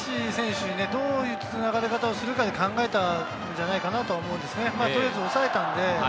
高橋選手にどういうつながれ方をするかで考えたんじゃないかと思います。